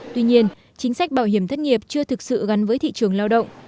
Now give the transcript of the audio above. tuy nhiên chính sách bảo hiểm thất nghiệp chưa thực sự gắn với thị trường lao động